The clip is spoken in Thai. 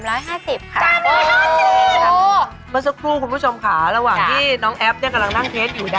เมื่อสักครู่คุณผู้ชมค่ะระหว่างที่น้องแอฟกำลังนั่งเทสอยู่